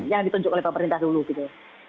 yang ditunjuk oleh pemerintah dulu gitu